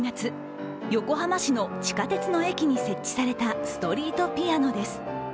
今年６月、横浜市の地下鉄の駅に設置されたストリートピアノです。